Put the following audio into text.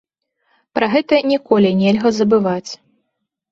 Пра гэта ніколі нельга забываць.